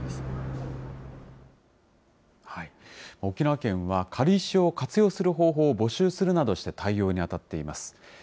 沖縄県は、軽石を活用する方法を募集するなどして、対応に当たっています。